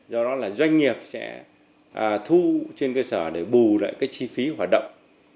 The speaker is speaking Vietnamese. do đó là doanh nghiệp sẽ thu trên cơ sở để bù lại cái chi phí hoạt động